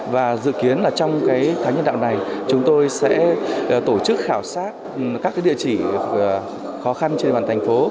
và dự kiến là trong tháng nhân đạo này chúng tôi sẽ tổ chức khảo sát các địa chỉ khó khăn trên bàn thành phố